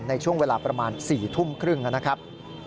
ในช่วงเวลาประมาณ๔ทุ่มครึ่งนะครับ